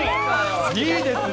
いいですね。